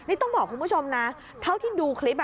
นี่ต้องบอกคุณผู้ชมนะเท่าที่ดูคลิป